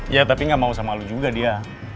ya tapi gak mau sama lo juga dia